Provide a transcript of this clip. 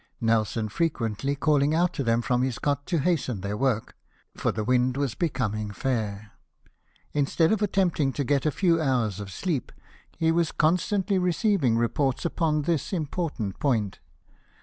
Nelson frequently calling out to them from his cot to hasten their work, for p 2 228 LIFE OF NELSON. the wind was becoming fair. Instead of attempting to get a few hours of sleep, he was constantly receiv ing reports upon this important point.